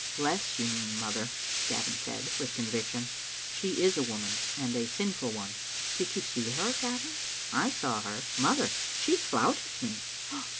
"Less, you mean, mother/' Gavin said, with convic tion. " She is a woman, and a sinful one." " Did you see her, Gavin?" " I saw her. Mother, she flouted me!"